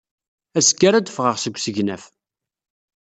Azekka ara d-ffɣeɣ seg usegnaf.